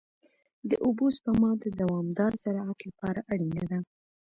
د اوبو سپما د دوامدار زراعت لپاره اړینه ده.